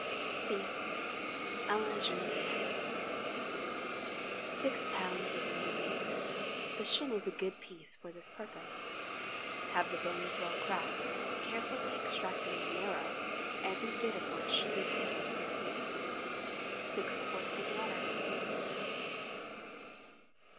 BEEF SOUP (à la Julienne). ✠ 6 lbs. of lean beef. The shin is a good piece for this purpose. Have the bones well cracked, carefully extracting the marrow, every bit of which should be put into the soup. 6 qts. of water.